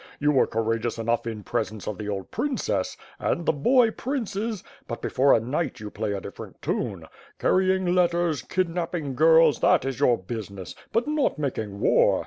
You were cour ageous enough in presence of the old princess, and the boy princes, but before a knight you play a different tune. Car rying letters, kidnapping girls, that is your business; but not making war.